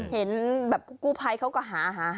เห็นแบบกู้ภัยเขาก็หา